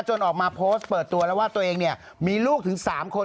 ออกมาโพสต์เปิดตัวแล้วว่าตัวเองเนี่ยมีลูกถึง๓คน